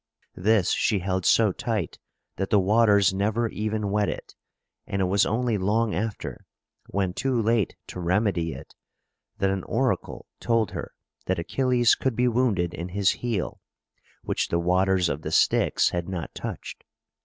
This she held so tight that the waters never even wet it; and it was only long after, when too late to remedy it, that an oracle told her that Achilles could be wounded in his heel, which the waters of the Styx had not touched.